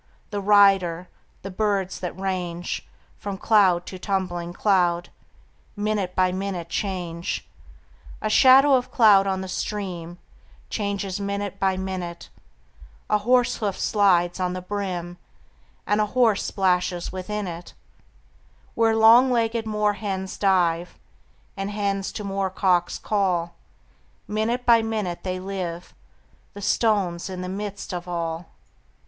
The rider, the birds that range From cloud to tumbling cloud, Minute by minute change; A shadow of cloud on the stream Changes minute by minute; A horse hoof slides on the brim, And a horse plashes within it Where long legged moor hens dive, And hens to moor cocks call. Minute by minute they live: The stone's in the midst of all.